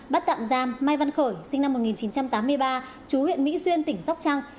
bắt tạm giam mai văn khởi sinh năm một nghìn chín trăm tám mươi ba chú huyện mỹ xuyên tỉnh sóc trăng